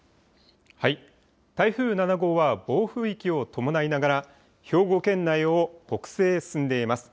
台風７号は、暴風域を伴いながら、兵庫県内を北西へ進んでいます。